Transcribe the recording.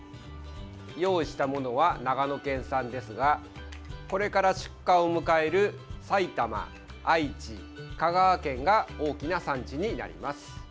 用意したものは長野県産ですがこれから出荷を迎える埼玉、愛知、香川県が大きな産地になります。